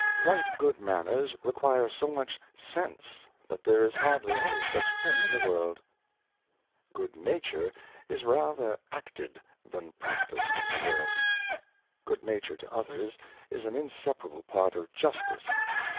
Right Good manners require so much Sense, that there is hardly any such thing in the World. GOOD NATURE is rather acted than practised in the Good World. "«'"'■'• Good nature to others is an inseparable Part of Justice.